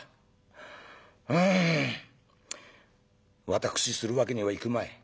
私するわけにはいくまい。